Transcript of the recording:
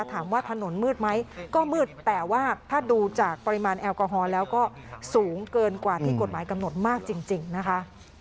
ถามว่าถนนมืดไหมก็มืดแต่ว่าถ้าดูจากปริมาณแอลกอฮอลแล้วก็สูงเกินกว่าที่กฎหมายกำหนดมากจริงนะคะ